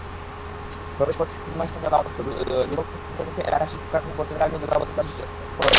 প্রবেশপথ তিন মাস ধরে জলাবদ্ধ, দুর্ভোগপ্রকৃতপক্ষে এলাকার শিল্পকারখানার বর্জ্যের কারণেই জলাবদ্ধতার সৃষ্টি হয়েছে।